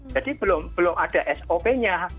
jadi belum ada sop nya